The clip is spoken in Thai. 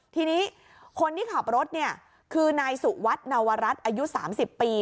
ทีนี้คนที่ขับรถคือนายสุวัตน์นวรัตน์อายุ๓๐ปี